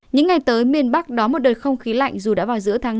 những ngày tới miền bắc đón một đợt không khí lạnh dù đã vào giữa tháng năm